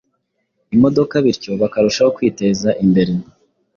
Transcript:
imodoka bityo bakarushaho kwiteza imbere